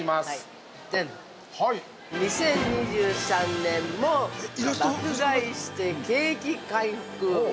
２０２３年も爆買いして景気回復。